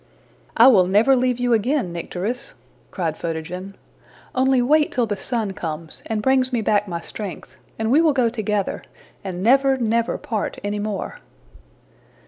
'' ``I will never leave you again, Nycteris,'' cried Photogen. ``Only wait till the sun comes, and brings me back my strength, and we will go together, and never, never part anymore.''